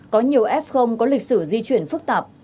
có nhiều f có lịch sử di chuyển phức tạp